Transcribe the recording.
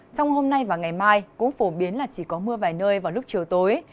trong hôm nay và ngày mai cũng phổ biến là chỉ có mưa vài nơi vào lúc chiều tối